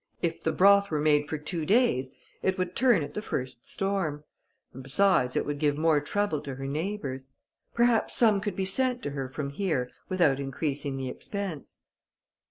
If the broth were made for two days, it would turn at the first storm; and, besides, it would give more trouble to her neighbours. Perhaps some could be sent to her from here without increasing the expense."